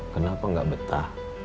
kenapa nggak betah